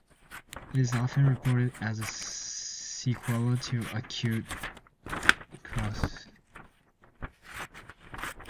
It is often reported as a sequela to acute necrotising ulcerative gingivitis.